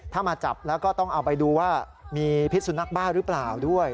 ถ้ามาจับแล้วก็ต้องเอาไปดูว่ามีพิษสุนัขบ้าหรือเปล่าด้วย